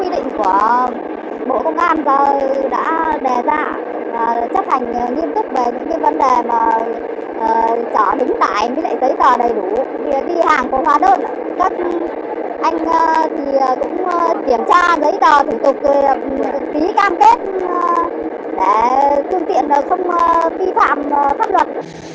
để phương tiện không vi phạm pháp luật